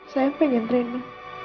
saya pengen re inna